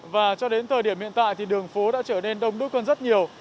và cho đến thời điểm hiện tại thì đường phố đã trở nên đông đúc hơn rất nhiều